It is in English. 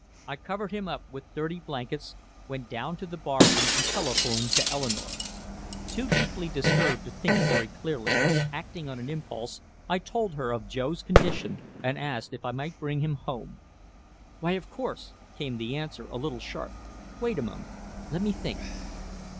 I covered him up with dirty blankets, went down to the barroom and telephoned to Eleanore. Too deeply disturbed to think very clearly, acting on an impulse, I told her of Joe's condition and asked if I might bring him home. "Why of course," came the answer, a little sharp. "Wait a moment. Let me think."